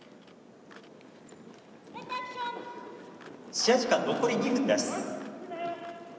「試合時間残り２分です」。